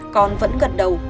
con vẫn gần đầu